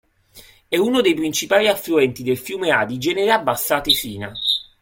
È uno dei principali affluenti del fiume Adige nella Bassa Atesina.